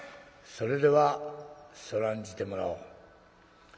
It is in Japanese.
「それではそらんじてもらおう。